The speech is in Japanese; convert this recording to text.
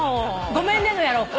ごめんねのをやろうか。